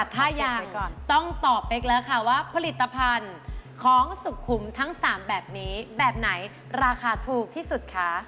ถ้าอยากต้องตอบเป๊กแล้วค่ะว่าผลิตภัณฑ์ของสุขุมทั้ง๓แบบนี้แบบไหนราคาถูกที่สุดคะ